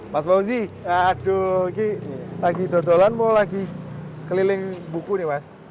mas fauzi lagi dua dua lagi mau lagi keliling buku nih mas